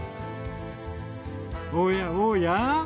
おやおや？